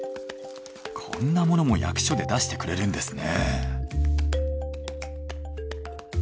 こんなものも役所で出してくれるんですね。